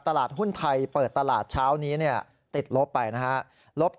ตลาดหุ้นไทยเปิดตลาดเช้านี้ติดลบไปนะครับ